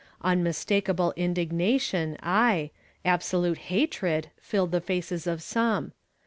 Unmistakable indignation, aye, abso lute hatred, filled the faces of some.